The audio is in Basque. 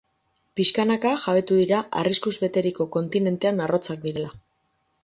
Pixkanaka, jabetu dira arriskuz beteriko kontinentean arrotzak direla.